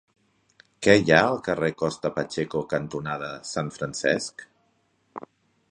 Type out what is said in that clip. Què hi ha al carrer Costa Pacheco cantonada Sant Francesc?